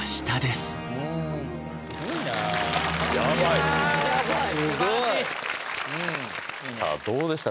すばらしいさあどうでした？